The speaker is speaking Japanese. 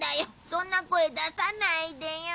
そんな声出さないでよ。